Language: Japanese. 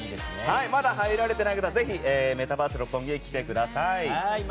まだ入られていない方はぜひメタバース六本木に来てください。